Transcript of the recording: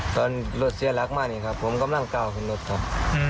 ตอนรถเสียหลักมานี่ครับผมกำลังก้าวขึ้นรถครับ